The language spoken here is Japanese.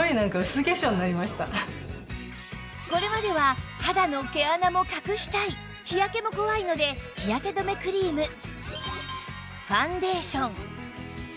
これまでは肌の毛穴も隠したい日焼けも怖いので日焼け止めクリームファンデーション